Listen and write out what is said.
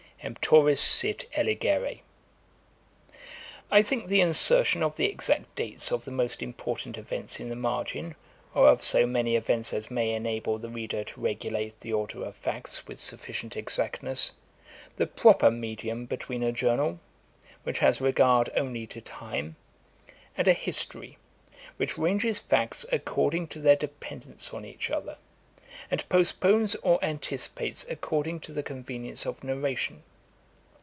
Emptoris sit eligere. 'I think the insertion of the exact dates of the most important events in the margin, or of so many events as may enable the reader to regulate the order of facts with sufficient exactness, the proper medium between a journal, which has regard only to time, and a history which ranges facts according to their dependence on each other, and postpones or anticipates according to the convenience of narration.